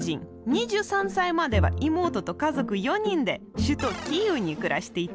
２３歳までは妹と家族４人で首都キーウに暮らしていた。